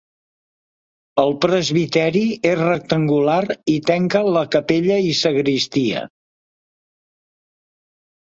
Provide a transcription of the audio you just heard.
El presbiteri és rectangular i tenca la capella i sagristia.